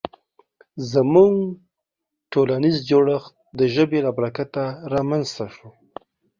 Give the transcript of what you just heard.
زموږ ټولنیز جوړښت د ژبې له برکته رامنځ ته شو.